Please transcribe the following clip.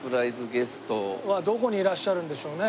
ゲスト。はどこにいらっしゃるんでしょうね？